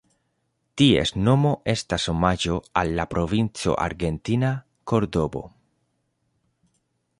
Ties nomo estas omaĝo al la provinco argentina Kordobo.